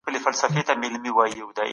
صبر انسان قوي کوي